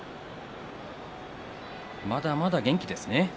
まだまだ元気ですね。